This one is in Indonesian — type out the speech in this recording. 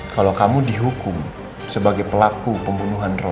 kalau kamu dihukum sebagai pelaku pembunuhan